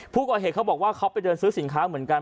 ผู้ก่อเหตุเขาบอกว่าเขาไปเดินซื้อสินค้าเหมือนกัน